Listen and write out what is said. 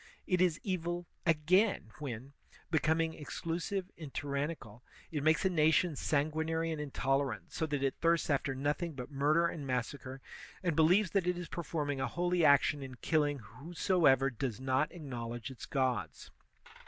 It is evil, again, when, becoming exclusive and tyrannical, it makes a nation sanguinary and intolerant, so that it thirsts after nothing but murder and massacre, and believes that it is performing a holy action in killing whosoever does not acknowledge its CIVIL RELIGION 121 gods.